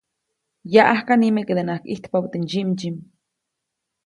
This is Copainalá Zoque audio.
Yaʼajk nimekedenaʼajk ʼijtpabä teʼ ndsyiʼmdsyiʼm.